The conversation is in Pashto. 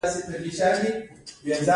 د دې کارخانې پراختیا مومي او وده کوي